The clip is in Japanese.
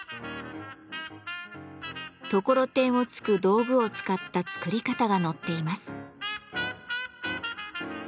ところてんを突く道具を使った作り方が載っています。